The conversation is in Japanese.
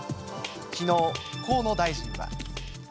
きのう、河野大臣は。